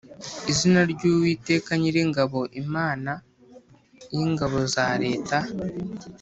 izina ry Uwiteka Nyiringabo Imana y ingabo za leta